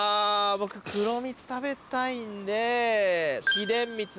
僕黒みつ食べたいんで秘伝みつ